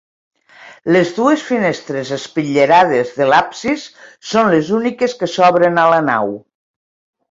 Les dues finestres espitllerades de l'absis són les úniques que s'obren a la nau.